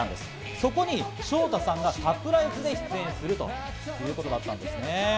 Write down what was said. そこにＳＨＯＴＡさんがサプライズで出演するということだったんですね。